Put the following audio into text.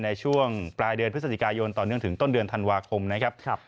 ในช่วงปลายเดือนพฤศจิกายนต่อเนื่องถึงต้นเดือนธันวาคมนะครับ